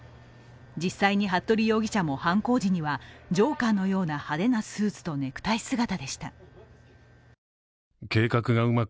実際に服部容疑者も犯行時にはジョーカーのような派手なスーツとネクタイ姿でした。